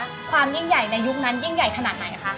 พี่ชายพี่สาวดูแลในยุคแรก